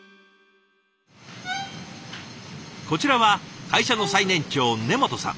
こちらは会社の最年長根本さん。